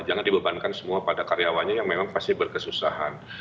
jangan dibebankan semua pada karyawannya yang memang pasti berkesusahan